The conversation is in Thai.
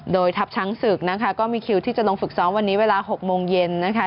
โดยทัพช้างศึกนะคะก็มีคิวที่จะลงฝึกซ้อมวันนี้เวลา๖โมงเย็นนะคะ